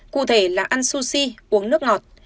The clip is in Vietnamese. cụ thể là ăn sushi uống nước ngọt